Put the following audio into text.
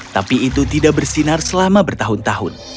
tapi itu tidak bersinar selama bertahun tahun